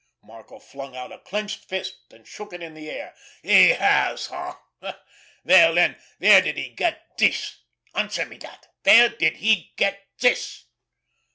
Marco flung out a clenched fist and shook it in the air. "He has—eh? Well, then, where did he get this? Answer me that! Where did he get this?"